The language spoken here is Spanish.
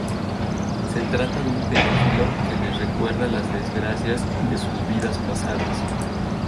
Se trata de un pedófilo que les recuerda las desgracias de sus vidas pasadas.